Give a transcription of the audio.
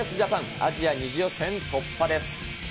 アジア２次予選突破です。